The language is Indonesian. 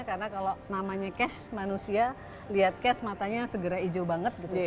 karena kalau namanya cash manusia lihat cash matanya segera hijau banget